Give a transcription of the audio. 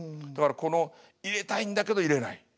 だからこの入れたいんだけど入れない。